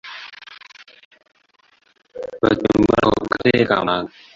batuye muri ako karere ka muhanga